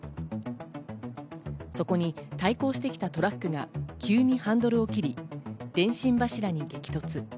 そこに対向してきたトラックが急にハンドルを切り、電信柱に激突。